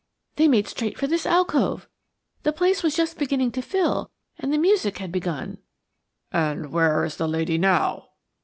They made straight for this alcove. The place was just beginning to fill, and the music had begun." "And where is the lady now?"